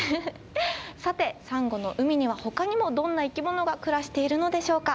さてサンゴの海にはほかにもどんな生き物が暮らしているのでしょうか。